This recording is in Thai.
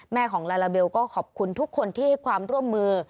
ของลาลาเบลก็ขอบคุณทุกคนที่ให้ความร่วมมือ